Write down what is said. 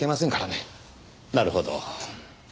なるほど。